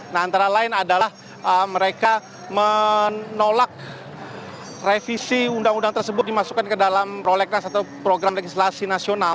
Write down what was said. nah antara lain adalah mereka menolak revisi undang undang tersebut dimasukkan ke dalam prolegnas atau program legislasi nasional